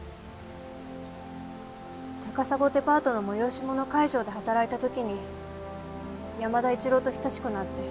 高砂デパートの催し物会場で働いた時に山田一郎と親しくなって。